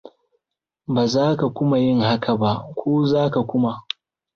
Baza ka kuma yin haka ba, ko zaka kuma?